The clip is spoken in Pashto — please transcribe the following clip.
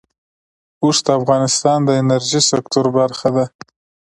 اوښ د افغانستان د انرژۍ سکتور برخه ده.